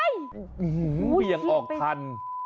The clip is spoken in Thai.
งงเปลี่ยงออกทัน